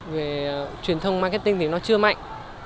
về truyền thông marketing thì nó chưa mạnh